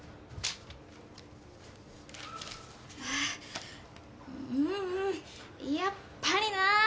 あっうんうんやっぱりなあ。